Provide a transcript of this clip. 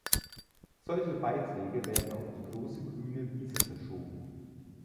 Solche Beiträge werden auf die grosse grüne Wiese verschoben.